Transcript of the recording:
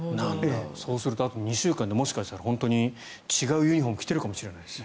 そうするとあと２週間で違うユニホームを着ているかもしれないですね。